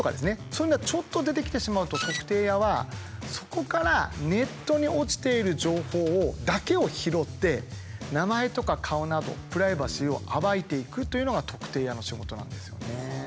そういうのがちょっと出てきてしまうと特定屋はそこからネットに落ちている情報だけを拾って名前とか顔などプライバシーを暴いていくというのが特定屋の仕事なんですよね。